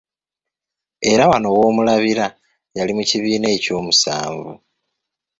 Era wano w'omulabira yali mu kibiina eky’omusanvu.